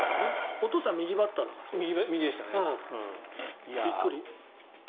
お父さんは右バッターだった。